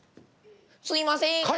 すいません。